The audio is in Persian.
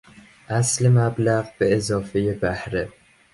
اصل مبلغ به اضافهی بهره